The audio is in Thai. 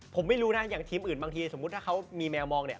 ผมไม่รู้นะอย่างทีมอื่นบางทีสมมุติถ้าเขามีแมวมองเนี่ย